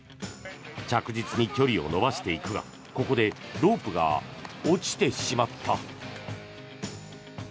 着実に距離を伸ばしていくがここでロープが落ちてしまった。